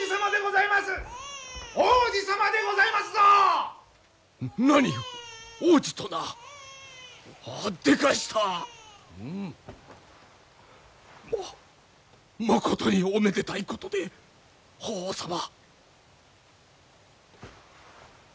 ままことにおめでたいことで法皇様。